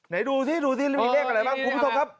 ไหนดูสิดูสิมีเลขอะไรบ้างคุณผู้ชมครับ